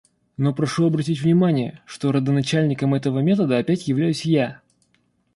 Но прошу обратить внимание, что родоначальником этого метода опять являюсь я.